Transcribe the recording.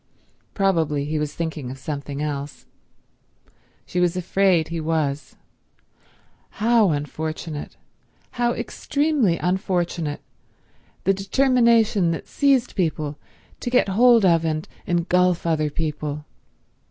Probably he was thinking of something else. She was afraid he was. How unfortunate, how extremely unfortunate, the determination that seized people to get hold of and engulf other people.